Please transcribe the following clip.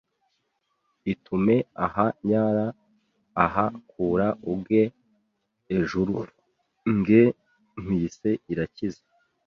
“Itume aha nyara aha kura uge ejuru nge nkwise Irakiza”